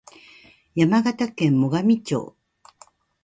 山形県最上町